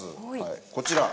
こちら。